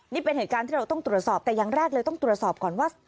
นี่เป็นเหตุการณ์ที่เราต้องตรวจสอบแต่อย่างแรกเลยต้องตรวจสอบก่อนว่า